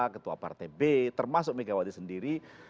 ketua partai b termasuk mika wadid sendiri